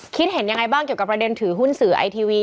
คิดเห็นยังไงบ้างเกี่ยวกับประเด็นถือหุ้นสื่อไอทีวี